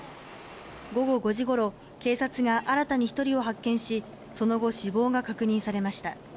午後５時ごろ警察が新たに１人を発見しその後、死亡が確認されました。